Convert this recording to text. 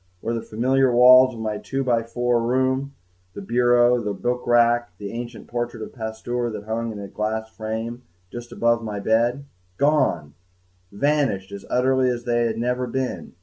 Where were the familiar walls of my two by four room, the bureau, the book rack, the ancient portrait of Pasteur that hung in its glass frame just above the foot of the bed? Gone! vanished as utterly as though they had never been!